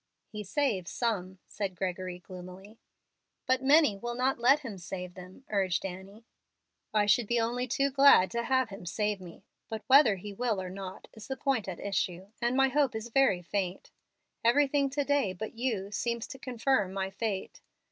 "He saves some," said Gregory, gloomily. "But many will not let Him save them," urged Annie. "I should be only too glad to have Him save me, but whether He will or not is the point at issue, and my hope is very faint. Everything to day, but you, seems to confirm my fate.